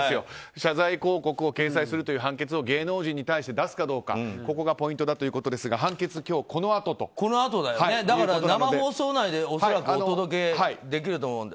謝罪広告を掲載するという判決を芸能人に出すかどうかここがポイントだということですが生放送内で恐らくお届けできると思うので。